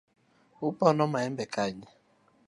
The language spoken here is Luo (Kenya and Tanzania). Upono maembe kanye.